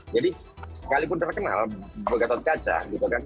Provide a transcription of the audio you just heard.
jadi kalipun terkenal gatot kaca gitu kan